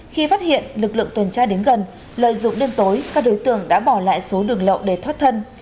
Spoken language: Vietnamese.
khi phát hiện lực lượng tuần tra đến gần lợi dụng đêm tối các đối tượng đã bỏ lại số đường lậu để thoát thân